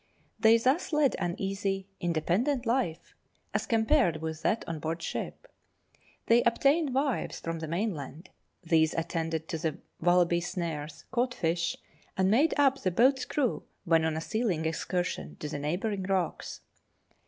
They thus led an easy, independent life, as compared with that on board ship. They obtained wives from the mainland ; these attended to the wallaby snares, caught fish, and made up the boat's crew when on a sealing excursion to the neighbouring rocks.